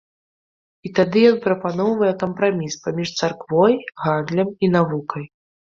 І тады ён прапаноўвае кампраміс паміж царквой, гандлем і навукай.